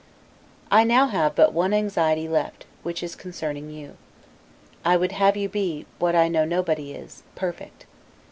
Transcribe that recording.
I have now but one anxiety left, which is concerning you. I would have you be, what I know nobody is perfect.